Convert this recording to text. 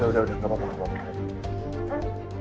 udah udah gak apa apa